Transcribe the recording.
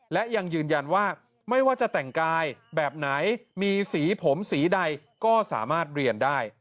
และยังยืนยันว่าไม่ว่าจะแต่งกายแบบไหนมีสีผมสีใดก็สามารถเรียนได้